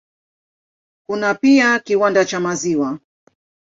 Kuna pia kiwanda cha maziwa.